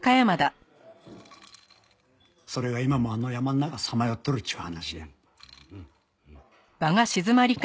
それが今もあの山の中さまよっとるっちゅう話や。